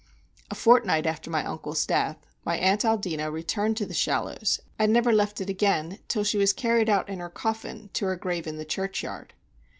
A fortnight after my uncle's death, my aunt Aldina returned to The Shallows, and never left it again till she was carried out in her coffin to her grave in the churchyard.